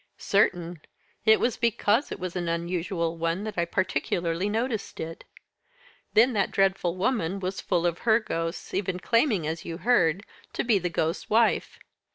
"Certain; it was because it was an unusual one that I particularly noticed it. Then that dreadful woman was full of her ghosts, even claiming, as you heard, to be the ghost's wife.